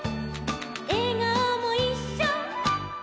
「えがおもいっしょ」